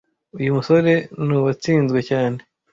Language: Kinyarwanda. Uyu musore nuwatsinzwe cyane